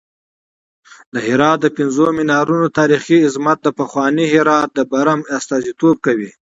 د هرات د پنځو منارونو تاریخي عظمت د پخواني هرات د برم استازیتوب کوي.